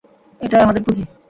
এটাই আমাদের পুঁজি।